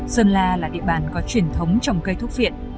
sơn la là địa bàn có truyền thống trồng cây thuốc viện